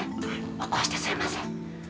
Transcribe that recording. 起こしてすみません。